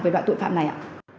về loại tội phạm này ạ